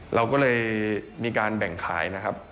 เราก็เลยมีการแบ่งขายนะครับ